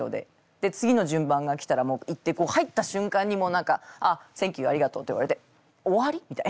で次の順番が来たらもう行って入った瞬間に何かセンキューありがとうって言われて終わり？みたいな。